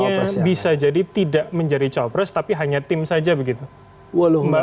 artinya bisa jadi tidak menjadi cowok presiden tapi hanya tim saja begitu ya